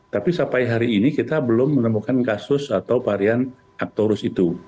tapi sampai hari ini kita belum menemukan kasus atau varian aktorus itu